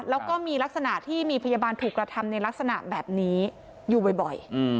แล้วก็มีลักษณะที่มีพยาบาลถูกกระทำในลักษณะแบบนี้อยู่บ่อย